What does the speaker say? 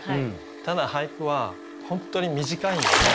ただ俳句は本当に短いんで。